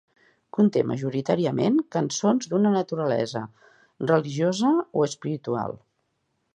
Conté majoritàriament cançons d'una naturalesa religiosa o espiritual.